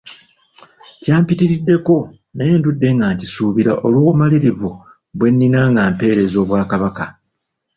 Kyampitiriddeko naye ndudde nga nkisuubira olw'obumalirivu bwe nina nga mpeereza Obwakabaka.